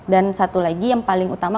dan satu lagi yang paling utama